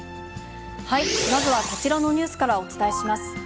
まずはこちらのニュースからお伝えします。